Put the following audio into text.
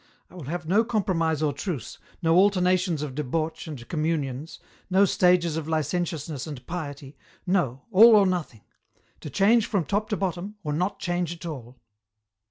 I will have no compromise or truce, no alternations of debauch and communions, no stages of licentiousness and piety, no, all or nothing ; to change from top to bottom, or not change at all."